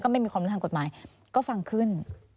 ไม่มีความรู้ทางกฎหมายก็ฟังขึ้น